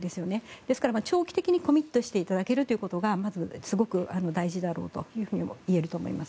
ですから、長期的にコミットしていただけることがすごく大事だろうと言えると思います。